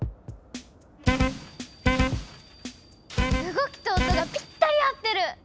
動きと音がぴったり合ってる！